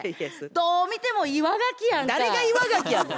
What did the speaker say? どう見ても岩ガキやんか。